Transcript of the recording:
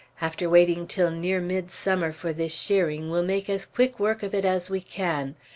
After waiting till near midsummer for this shearing, we'll make as quick work of it as we can.